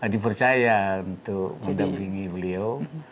dipercaya untuk mendampingi beliau